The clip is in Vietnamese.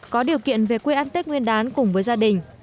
có điều kiện về quê ăn tết nguyên đán cùng với gia đình